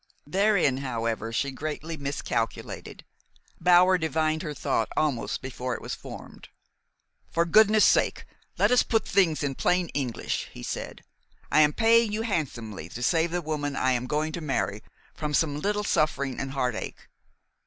Therein, however, she greatly miscalculated. Bower divined her thought almost before it was formed. "For goodness' sake, let us put things in plain English!" he said. "I am paying you handsomely to save the woman I am going to marry from some little suffering and heartache.